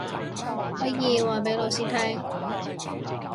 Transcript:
可以話畀老師聽